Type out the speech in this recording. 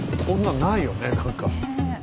こんなんないよね何か。